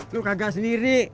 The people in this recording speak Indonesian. lo kagak sendiri